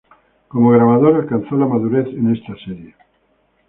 Como grabador alcanzó la madurez en esta serie.